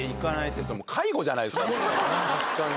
確かに。